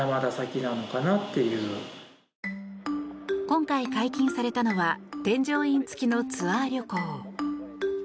今回、解禁されたのは添乗員付きのツアー旅行。